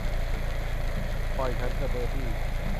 ปล่อยฉันเถอะเบอร์ตี้